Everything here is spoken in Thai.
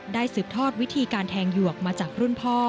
สืบทอดวิธีการแทงหยวกมาจากรุ่นพ่อ